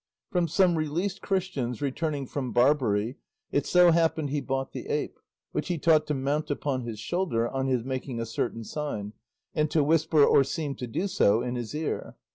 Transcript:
From some released Christians returning from Barbary, it so happened, he bought the ape, which he taught to mount upon his shoulder on his making a certain sign, and to whisper, or seem to do so, in his ear.